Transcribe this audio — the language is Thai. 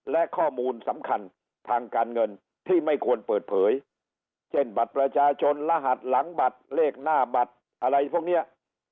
และข้อมูลสำคัญทางการเงินที่ไม่ควรเปิดเผยเช่นบัตรประชาชนรหัสหลังบัตรเลขหน้าบัตรอะไรพวกเนี้ย